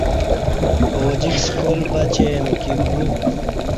اوجِک سکال بہ چہ امکی گو